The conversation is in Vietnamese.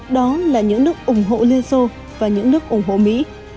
đó là những nước ủng hộ liên xô và những nước ủng hộ mỹ